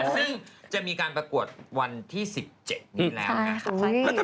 ซึ่งจะมีการประกวดวันที่๑๗นี้แล้วนะครับ